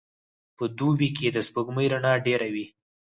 په دوبي کي د سپوږمۍ رڼا ډېره وي.